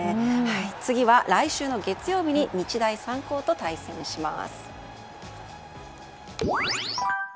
次は、来週月曜日に日大三高と対戦します。